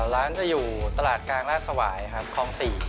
ร้านจะอยู่ตลาดกลางราชสวายครับคลอง๔